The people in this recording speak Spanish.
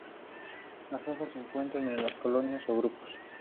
Las hojas se encuentran en colonias o grupos.